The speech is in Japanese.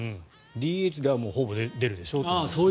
ＤＨではほぼ出るでしょうってことですね。